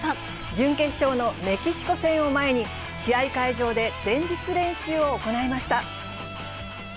準決勝のメキシコ戦を前に、試合会場で前日練習を行いました。